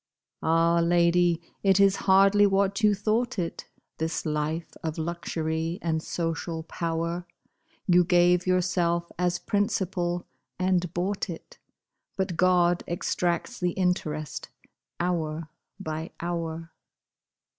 Ah, lady! it is hardly what you thought it, This life of luxury and social power; You gave yourself as principal, and bought it, But God extracts the interest hour by hour.